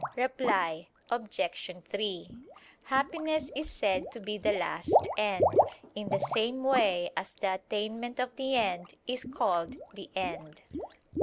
Reply Obj. 3: Happiness is said to be the last end, in the same way as the attainment of the end is called the end.